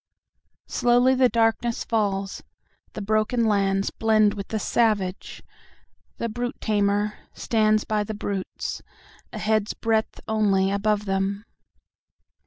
…….Slowly the darkness falls, the broken lands blend with the savage; The brute tamer stands by the brutes, a head's breadth only above them.